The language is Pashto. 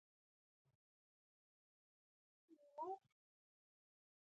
هغه به خپله لار لري او زه به خپله لاره